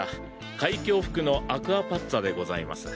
海峡ふくのアクアパッツァでございます。